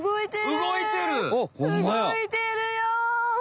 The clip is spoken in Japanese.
動いてるよ！